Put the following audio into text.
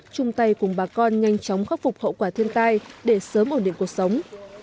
chung tay cùng bà con nhanh chóng khắc phục hậu quả thiên tai để sớm ổn định cuộc sống